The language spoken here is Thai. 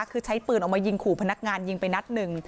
คือใช้ปืนออกมายิงขู่พนักงานยิงไปนัดหนึ่ง